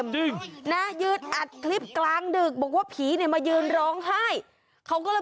มึงอยู่เฉยในบ้านมึงรองไห้ทำไม